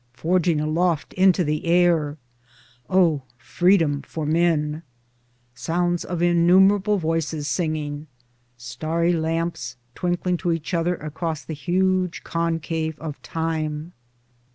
forging aloft into the air ! O Freedom for men ! Sounds of innumerable voices singing ! Starry lamps twinkling to each other across the huge concave of Time